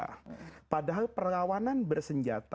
padahal perlawanan bersenjata itu adalah perlawanan bersenjata